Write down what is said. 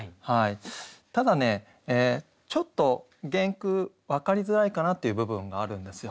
ただねちょっと原句分かりづらいかなっていう部分があるんですよ。